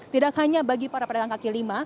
tidak hanya bagi para pedagang kaki lima